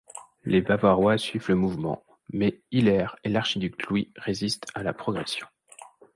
Les Bavarois suivent le mouvement, mais Hiller et l'archiduc Louis résistent à la progression.